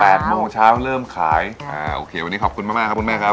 โมงเช้าเริ่มขายอ่าโอเควันนี้ขอบคุณมากมากครับคุณแม่ครับ